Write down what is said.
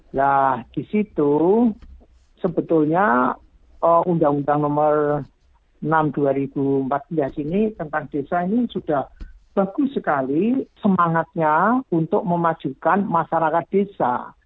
nah di situ sebetulnya undang undang nomor enam dua ribu empat belas ini tentang desa ini sudah bagus sekali semangatnya untuk memajukan masyarakat desa